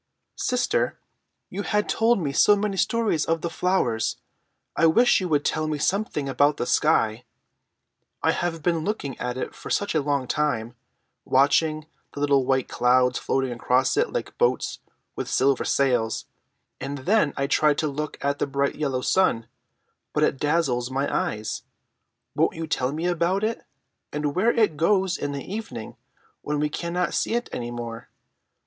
"Sister, you have told me so many stories of the flowers. I wish you would tell me something about the sky. I have been looking at it for such a long time, watching the little white clouds floating across it like boats with silver sails; and then I tried to look at the bright yellow sun, but it dazzles my eyes. Won't you tell me about it, and where it goes in the evening when we cannot see it any more?